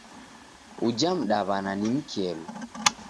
Uja mdaw'ana ni mkelu!